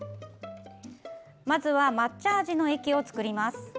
まずは、抹茶味の液を作ります。